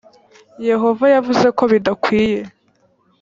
yehova yavuze kobidakwiye